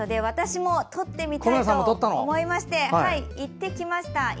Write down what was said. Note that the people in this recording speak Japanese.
私も撮ってみたいと思いまして行ってきました。